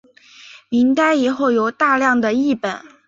明代以后有大量的辑本。